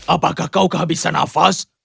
apakah kau kehabisan nafas